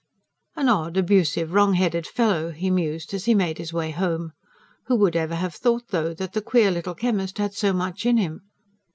"An odd, abusive, wrong headed fellow," he mused, as he made his way home. "Who would ever have thought, though, that the queer little chemist had so much in him?